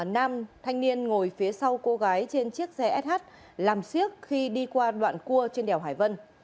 nam thanh niên ngồi phía sau cô gái trên chiếc xe sh làm siếc khi đi qua đoạn cua trên đèo hải vân